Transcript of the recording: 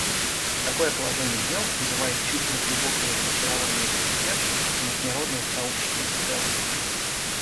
Такое положение дел вызывает чувство глубокого разочарования у потерпевших и международного сообщества в целом.